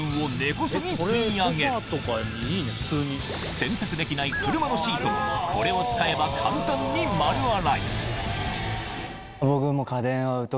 洗濯できない車のシートもこれを使えば簡単に丸洗い僕も。